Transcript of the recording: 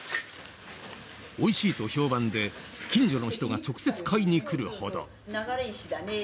おいしいと評判で近所の人が直接買いに来るほど。